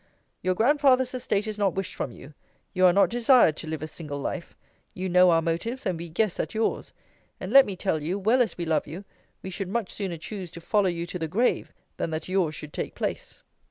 Your grandfather's estate is not wished from you. You are not desired to live a single life. You know our motives, and we guess at yours. And, let me tell you, well as we love you, we should much sooner choose to follow you to the grave, than that yours should take place.